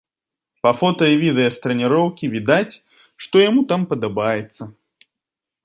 Па фота і відэа з трэніроўкі відаць, што яму там падабаецца.